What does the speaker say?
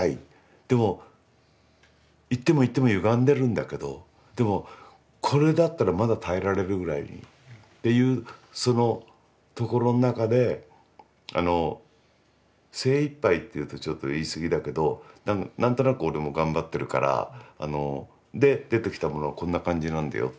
でも行っても行ってもゆがんでるんだけどでもこれだったらまだ耐えられるぐらいっていうそのところの中で精いっぱいっていうとちょっと言いすぎだけど何となく俺も頑張ってるからで出てきたものはこんな感じなんだよって。